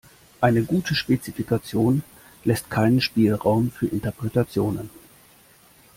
Eine gute Spezifikation lässt keinen Spielraum für Interpretationen.